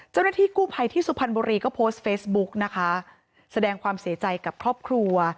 เจ้าหน้าที่กู้ภัยที่สุพรรณบุรีก็โพสต์เฟซบุ๊กนะคะแสดงความเสียใจกับครอบครัว